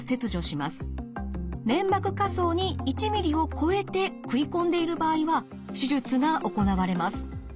粘膜下層に１ｍｍを超えて食い込んでいる場合は手術が行われます。